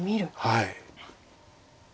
はい。